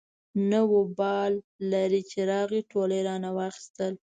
نه وبال لري چې راغی ټوله يې رانه واخېستله.